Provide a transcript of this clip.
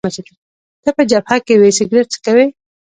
ته په جبهه کي وې، سګرېټ څکوې؟